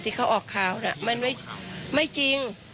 ที่เขาออกข่าวน่ะมันไม่จริง